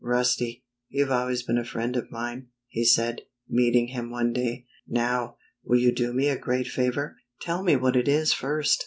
"Rusty, you've always been a friend of mine," he said, meeting him one day. "Now, will you do me a great favor?" " Tell me what it is first.